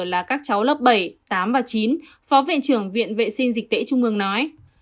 là các cháu lớp bảy tám và chín phó viện trưởng viện vệ sinh dịch tễ trung ương nói